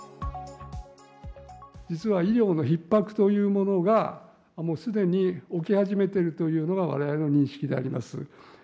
実は医療のひっ迫というものが、もうすでに起き始めているというのがわれわれの認識であります。